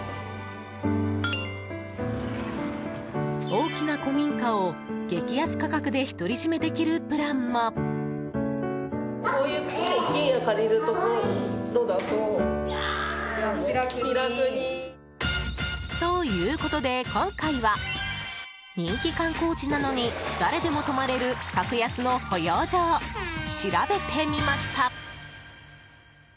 大きな古民家を激安価格で独り占めできるプランも。ということで、今回は人気観光地なのに誰でも泊まれる格安の保養所を調べてみました。